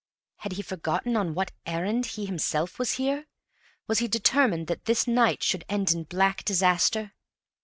Had he forgotten on what errand he himself was here? Was he determined that this night should end in black disaster?